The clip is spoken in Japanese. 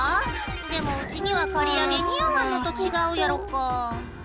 でもうちにはかりあげにあわへんとちがうやろか。